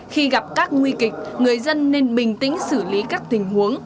khi gặp các nguy kịch người dân nên bình tĩnh xử lý các tình huống